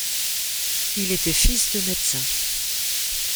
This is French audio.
Il était fils de médecin.